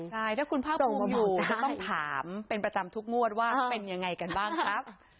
ใช่ถ้าคุณภาคภูมิอยู่จะต้องถามเป็นประจำทุกงวดว่าเป็นยังไงกันบ้างครับ